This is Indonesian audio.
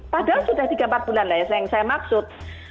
padahal sudah tiga empat bulan lah ya yang saya maksud